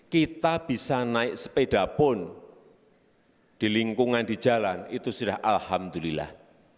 kita bisa naik sepeda pun di lingkungan di jalan itu sudah alhamdulillah